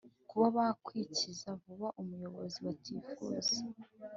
kuba bakwikiza vuba umuyobozi batifuza.